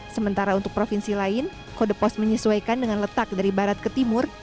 sementara untuk provinsi lain kode pos menyesuaikan dengan letak dari barat ke timur